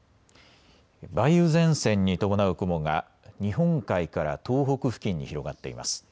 梅雨前線に伴う雲が日本海から東北付近に広がっています。